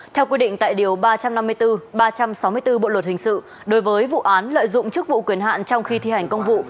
theo quy định tại điều ba trăm năm mươi bốn ba trăm sáu mươi bốn bộ luật hình sự đối với vụ án lợi dụng chức vụ quyền hạn trong khi thi hành công vụ